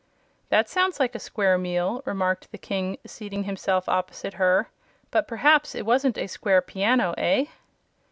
"That sounds like a square meal," remarked the King, seating himself opposite her; "but perhaps it wasn't a square piano. Eh?"